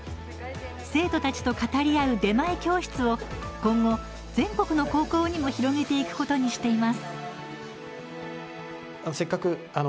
生徒たちと語り合う出前教室を今後、全国の高校にも広げていくことにしています。